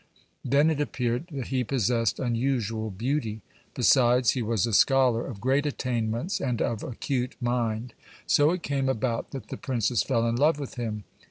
Then it appeared that he possessed unusual beauty. Besides, he was a scholar of great attainments and of acute mind. So it came about that the princess fell in love with him.